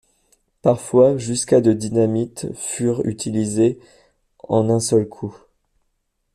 Parfois, jusqu'à de dynamite furent utilisés en un seul coup.